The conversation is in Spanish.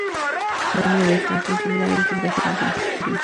Es el mejor amigo de Franklin, tiene la misma edad de Franklin.